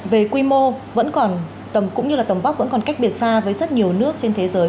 về quy mô cũng như là tầm vóc vẫn còn cách biệt xa với rất nhiều nước trên thế giới